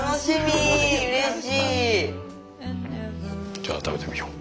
じゃあ食べてみよう。